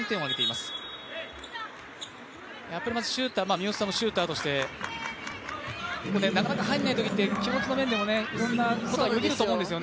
三好さんもシューターとして、なかなか入らないときは、気持ちとしてもいろいろよぎると思うんですが。